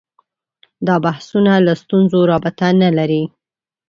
دا بحثونه له ستونزو رابطه نه لري